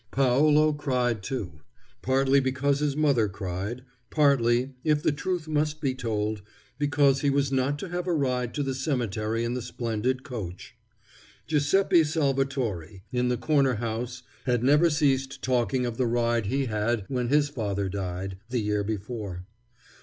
Paolo cried, too: partly because his mother cried; partly, if the truth must be told, because he was not to have a ride to the cemetery in the splendid coach. Giuseppe Salvatore, in the corner house, had never ceased talking of the ride he had when his father died, the year before.